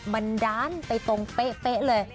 มันด้านไปตรงเป๊ะเลย